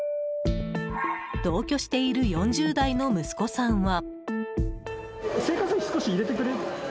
同居している４０代の息子さんは。